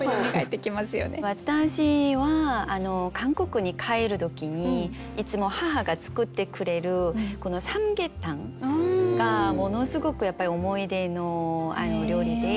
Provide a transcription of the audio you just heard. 私は韓国に帰る時にいつも母が作ってくれるサムゲタンがものすごくやっぱり思い出の料理で。